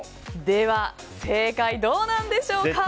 では正解はどうなんでしょうか。